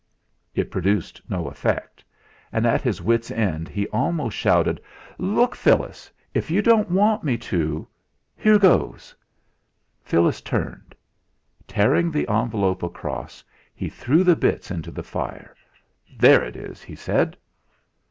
It produced no effect, and at his wits' end, he almost shouted: "Look, Phyllis! If you don't want me to here goes!" Phyllis turned. Tearing the envelope across he threw the bits into the fire. "There it is," he said.